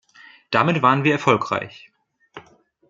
Damit waren wir erfolgreich.